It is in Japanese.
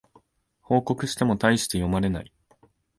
報告してもたいして読まれない